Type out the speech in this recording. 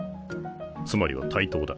つまりは対等だ。